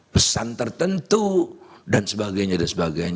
pesan tertentu dan sebagainya dan sebagainya